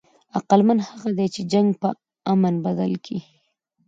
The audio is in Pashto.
عقلمند هغه دئ، چي جنګ په امن بدل کي.